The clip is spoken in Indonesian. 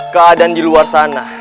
keadaan di luar sana